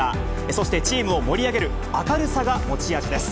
そしてチームを盛り上げる明るさが持ち味です。